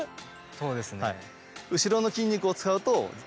そうですね。